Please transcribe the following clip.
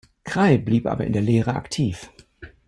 Krey blieb aber in der Lehre aktiv.